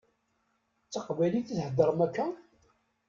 D taqbaylit i theddṛem akka?